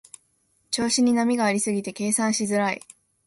調子に波がありすぎて計算しづらい